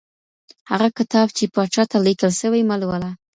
هغه کتاب چي پاچا ته لیکل سوی مه لوله.